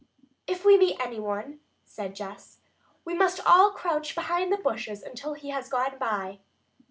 "If we meet any one," said Jess, "we must all crouch behind bushes until he has gone by."